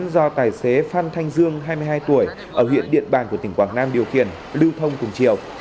do tài xế phan thanh dương hai mươi hai tuổi ở huyện điện bàn của tỉnh quảng nam điều khiển lưu thông cùng chiều